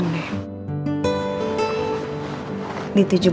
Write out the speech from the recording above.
terima kasiha duck